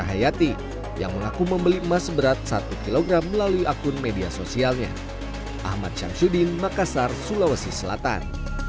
satu kg melalui akun media sosialnya ahmad syamsuddin makassar sulawesi selatan